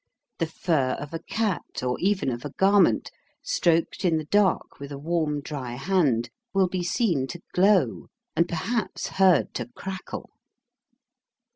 The fur of a cat, or even of a garment, stroked in the dark with a warm dry hand will be seen to glow, and perhaps heard to crackle.